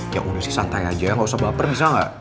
ya udah sih santai aja gak usah baper bisa gak